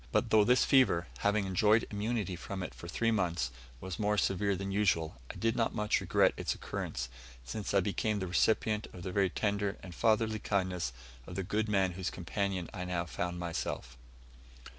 But though this fever, having enjoyed immunity from it for three months, was more severe than usual, I did not much regret its occurrence, since I became the recipient of the very tender and fatherly kindness of the good man whose companion I now found myself.